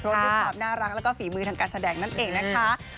เพราะด้วยความน่ารักแล้วก็ฝีมือทางการแสดงนั่นเองนะคะ